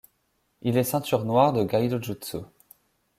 Il est ceinture noire de gaidojutsu.